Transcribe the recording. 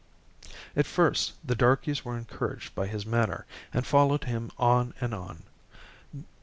At first the darkies were encouraged by his manner, and followed him on and on.